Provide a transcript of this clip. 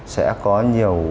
sẽ có nhiều